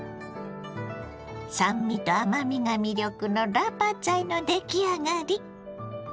酸味と甘みが魅力のラーパーツァイの出来上がり。